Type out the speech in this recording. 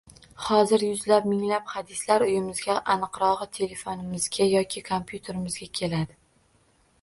Hozir yuzlab, minglab hadislar uyimizga, aniqrog‘i, telefonimizga yoki kompyuterimizga keladi.